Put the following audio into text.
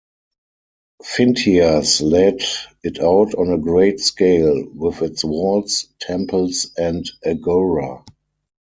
Phintias laid it out on a great scale, with its walls, temples, and agora.